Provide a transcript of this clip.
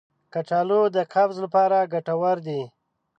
کچالو د قبض لپاره ګټور دی.